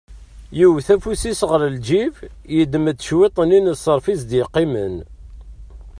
Yewwet afus-is ɣer lǧib, yeddem-d cwiṭ-nni n ṣṣarf is-d-yeqqimen.